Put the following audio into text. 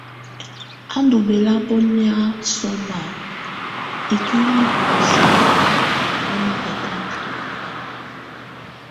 Á ndù bɛlabɔnɛ̀á sɔmba ikuili bɔ̀ósɛ bɔ nà hɛkaka.